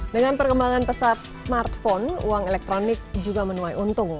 dengan perkembangan pesat smartphone uang elektronik juga menuai untung